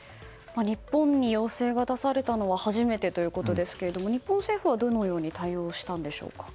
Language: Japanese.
日本に要請が出されたのは初めてということですが日本政府はどのように対応したんでしょうか。